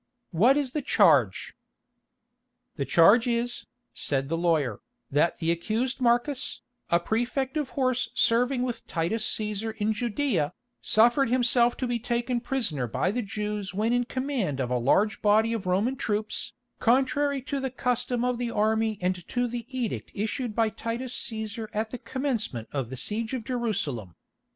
What is the charge?" "The charge is," said the lawyer, "that the accused Marcus, a prefect of horse serving with Titus Cæsar in Judæa, suffered himself to be taken prisoner by the Jews when in command of a large body of Roman troops, contrary to the custom of the army and to the edict issued by Titus Cæsar at the commencement of the siege of Jerusalem.